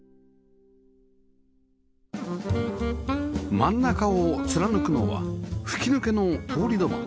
真ん中を貫くのは吹き抜けの通り土間